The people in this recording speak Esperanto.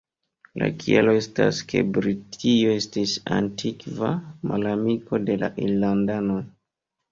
La kialo estas, ke Britio estis antikva malamiko de la irlandanoj.